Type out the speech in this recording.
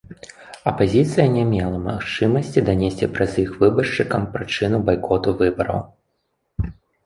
Апазіцыя не мела магчымасці данесці праз іх выбаршчыкам прычыну байкоту выбараў.